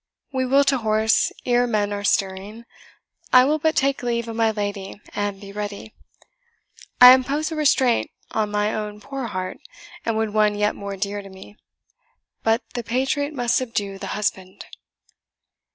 We will to horse ere men are stirring. I will but take leave of my lady, and be ready. I impose a restraint on my own poor heart, and wound one yet more dear to me; but the patriot must subdue the husband."